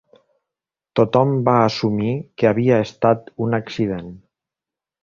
Tothom va assumir que havia estat un accident.